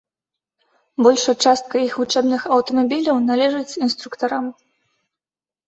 Большая частка іх вучэбных аўтамабіляў належыць інструктарам.